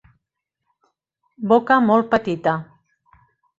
Boca molt petita.